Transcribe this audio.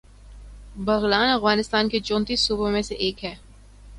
بغلان افغانستان کے چونتیس صوبوں میں سے ایک ہے